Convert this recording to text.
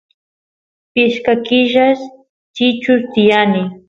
pishka killas chichus tiyani